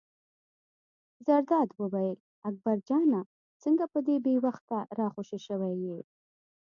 زرداد وویل: اکبر جانه څنګه په دې بې وخته را خوشې شوی یې.